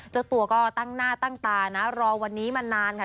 เจ้าตัวก็ตั้งหน้าตั้งตานะรอวันนี้มานานค่ะ